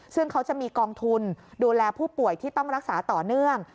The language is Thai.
ซึ่งเขาจะมีกองทุนดูแลผู้ป่วยที่ต้องรักษาต่อเนื่อง